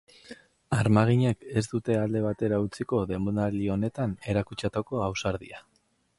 Armaginek ez dute alde batera utziko denboraldi honetan erakutsitako ausardia.